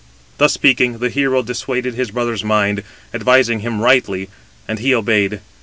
Thus speaking, the hero dissuaded his brother's mind, advising him rightly; and he obeyed.